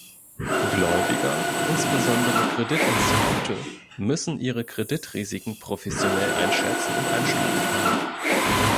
Gläubiger, insbesondere Kreditinstitute, müssen ihre Kreditrisiken professionell einschätzen und einstufen können.